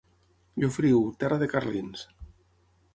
Llofriu, terra de carlins.